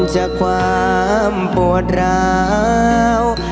จากความปวดร้าว